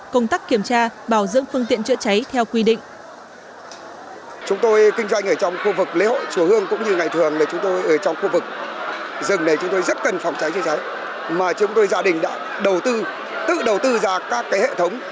công tác kiểm tra bảo dưỡng phương tiện chữa cháy theo quy định